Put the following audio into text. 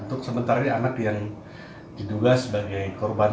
untuk sementara ini anak yang diduga sebagai korban